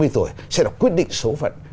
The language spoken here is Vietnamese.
hai mươi tuổi sẽ là quyết định số phận